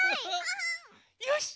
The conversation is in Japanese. よし！